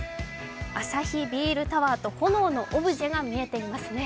アサヒビールタワーと炎のオブジェが見えていますね。